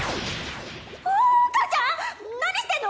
桜花ちゃん⁉何してんの？